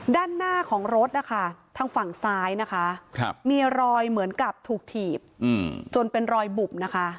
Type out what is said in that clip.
ด้านหน้าของรถนะคะทางฝั่งซ้ายนะคะมีรอยเหมือนกับถูกถีบจนเป็นรอยบุบนะคะ